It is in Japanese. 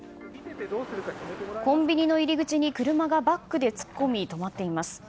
コンビニの入り口に車がバックで突っ込み、止まっています。